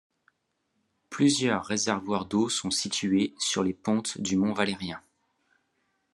Plusieurs réservoirs d'eau sont situés sur les pentes du mont Valérien.